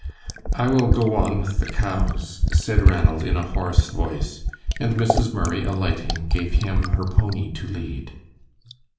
"I will go on with the cows," said Ranald, in a hoarse voice, and Mrs. Murray, alighting, gave him her pony to lead.